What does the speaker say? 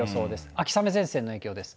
秋雨前線の影響です。